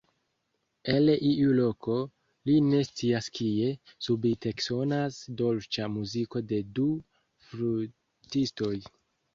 El iu loko, li ne scias kie, subite eksonas dolĉa muziko de du flutistoj.